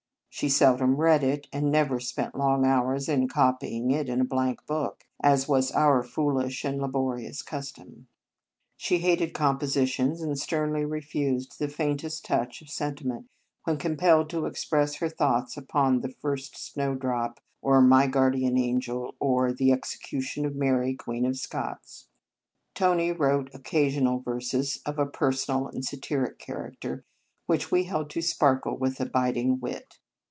She sel dom read it, and never spent long hours in copying it in a blank book, as was our foolish and laborious cus 2 3 In Our Convent Days torn. She hated compositions, and sternly refused the faintest touch of sentiment when compelled to express her thoughts upon " The First Snow drop," or " My Guardian Angel," or the "Execution of Mary, Queen of Scots." Tony wrote occasional verses of a personal and satiric character, which we held to sparkle with a bit ing wit.